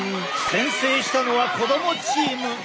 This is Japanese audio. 先制したのは子どもチーム！